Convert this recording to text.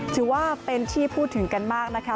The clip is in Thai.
ถือว่าเป็นที่พูดถึงกันมากนะคะ